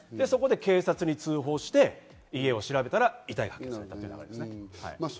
警察に通報して家を調べたら、遺体が発見されたということです。